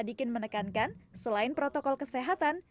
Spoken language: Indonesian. sadikin menekankan selain protokol kesehatan